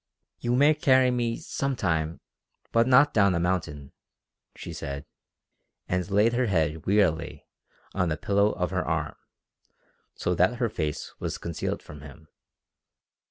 "You may carry me some time but not down a mountain," she said, and laid her head wearily on the pillow of her arm, so that her face was concealed from him.